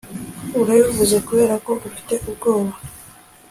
Urabivuze kuberako ufite ubwoba